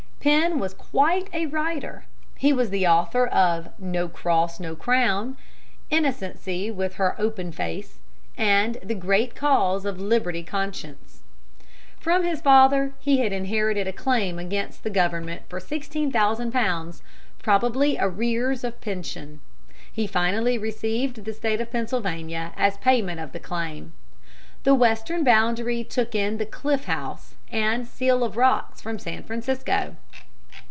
Penn was quite a writer (see Appendix). He was the author of "No Cross, No Crown," "Innocency with her Open Face," and "The Great Cause of Liberty of Conscience." From his father he had inherited a claim against the government for sixteen thousand pounds, probably arrears of pension. He finally received the State of Pennsylvania as payment of the claim. The western boundary took in the Cliff House and Seal Rocks of San Francisco.